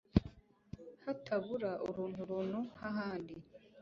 hatabura urunturuntu nk'ahandi